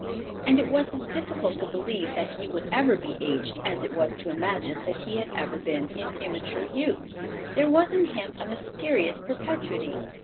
And it was as difficult to believe that he would ever be aged as it was to imagine that he had ever been in immature youth. There was in him a mysterious perpetuity.